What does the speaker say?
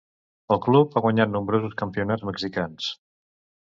El club ha guanyat nombrosos campionats mexicans.